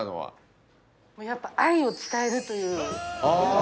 やっぱ愛を伝えるという。